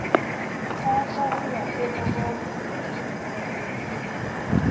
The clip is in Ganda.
Taata we yatemulwa wiiki ewedde.